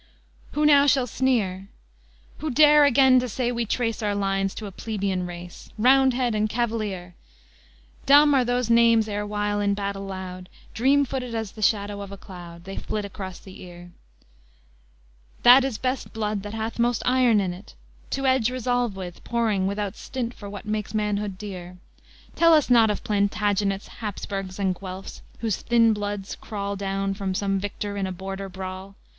X Who now shall sneer? Who dare again to say we trace Our lines to a plebeian race? Roundhead and Cavalier! Dumb are those names erewhile in battle loud; Dream footed as the shadow of a cloud, They flit across the ear: That is best blood that hath most iron in 't To edge resolve with, pouring without stint For what makes manhood dear. Tell us not of Plantagenets, Hapsburgs, and Guelfs, whose thin bloods crawl Down from some victor in a border brawl!